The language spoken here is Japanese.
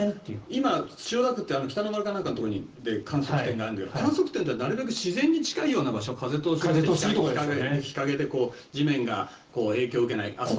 今、千代田区って北の丸なんかのところに観測点があるんだけど観測点というのはなるべく自然に近い場所で風通しがいいところとか日陰で地面が影響を受けない。